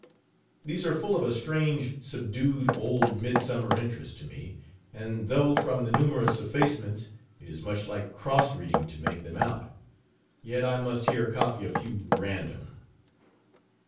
These are full of a strange, subdued, old, midsummer interest to me: and though, from the numerous effacements, it is much like cross reading to make them out; yet, I must here copy a few at random:— £ s.